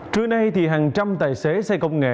trưa nay hàng trăm tài xế xây công nghệ